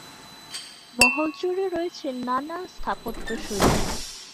মহল জুড়ে রয়েছে নানা স্থাপত্যশৈলী।